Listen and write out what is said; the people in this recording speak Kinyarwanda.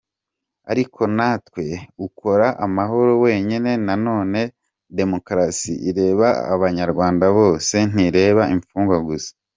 Ariko ntawe ukora amahoro wenyine na none demokarasi ireba abanyarwanda bose ntireba imfungwa gusa.